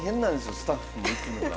スタッフも行くのが。